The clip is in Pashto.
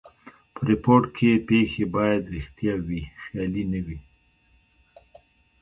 په ریپورټ کښي پېښي باید ریښتیا وي؛ خیالي نه وي.